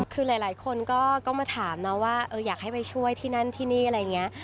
คือหลายคนก็มาถามนะว่าอยากให้ไปช่วยที่นั่นที่นี่อะไรอย่างนี้